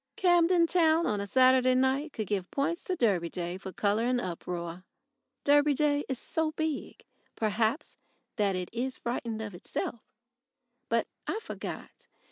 Camden Town on a Saturday night could give points to Derby Day for colour and uproar. Derby Day is so big, perhaps, that it is frightened of itself. But I forgot.